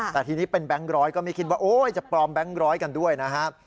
แต่ทีนี้เป็นแก๊งร้อยก็ไม่คิดว่าโอ๊ยจะปลอมแบงค์ร้อยกันด้วยนะครับ